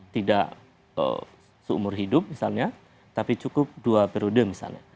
tidak seumur hidup misalnya tapi cukup dua periode misalnya